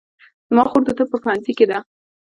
زما خور د طب په پوهنځي کې ده